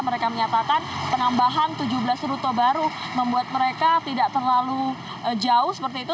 mereka menyatakan penambahan tujuh belas rute baru membuat mereka tidak terlalu jauh seperti itu